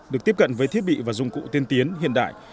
được tiếp cận với thiết bị và dụng cụ tiên tiến hiện đại